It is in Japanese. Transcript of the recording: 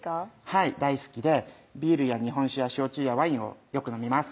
「はい大好きでビールや日本酒や焼酎やワインをよく飲みます」